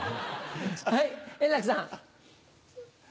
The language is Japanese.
はい円楽さん。